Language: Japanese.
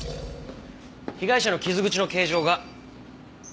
被害者の傷口の形状が。